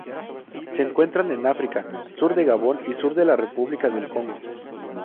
Se encuentran en África: sur de Gabón y sur de la República del Congo.